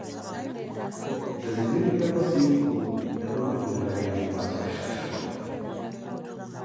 Ziviriyeevo siikhu, erukulo ya Mariyamo kwaaza o shashuwa.